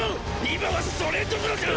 今はそれどころじゃ！